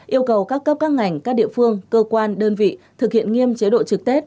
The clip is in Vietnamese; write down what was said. yêu cầu các cấp các ngành các địa phương cơ quan đơn vị thực hiện nghiêm chế độ trực tết